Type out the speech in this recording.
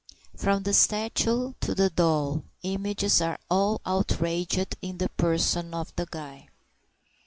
From the statue to the doll, images are all outraged in the person of the guy.